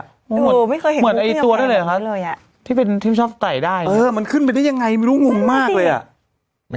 เหมือนไอ้ตัวได้เลยอ่ะครับที่เป็นที่ชอบไตได้เออมันขึ้นไปได้ยังไงไม่รู้งงมากเลยอ่ะ